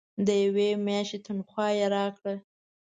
د یوې میاشتي تنخواه یې راکړه.